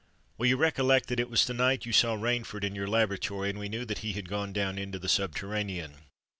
"Well—you recollect that it was the night you saw Rainford in your laboratory, and we knew that he had gone down into the subterranean.